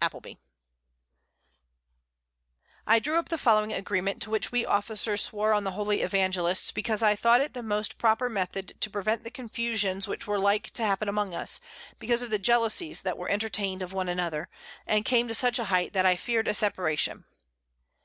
Pope, I drew up the following Agreement, to which we Officers swore on the Holy Evangelists, because I thought it the most proper Method to prevent the Confusions which were like to happen among us, because of the Jealousies that were entertain'd of one another, and came to such a height, that I fear'd a Separation.